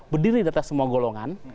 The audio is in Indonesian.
berdiri di atas semua golongan